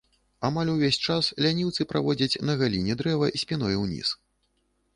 Амаль увесь час ляніўцы праводзяць, на галіне дрэва спіной ўніз.